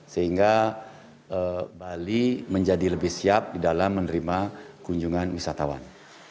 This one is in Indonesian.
sehingga bali menjadi lebih siap di dalam menerima kunjungan wisatawan